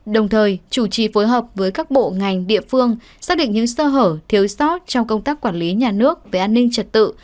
đồng thời chủ trì phối hợp với các bộ ngành địa phương xác định những sơ hở thiếu sót trong công tác quản lý nhà nước về an ninh trật tự